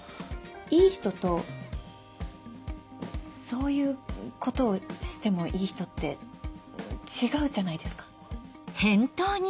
いい人とそういうことをしてもいい人って違うじゃないですか。